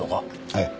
ええ。